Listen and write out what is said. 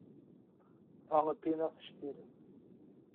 Vale a pena assistir